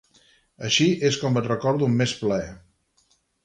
Així és com et recordo amb més plaer.